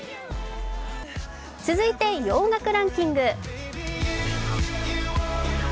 続いて洋楽ランキング。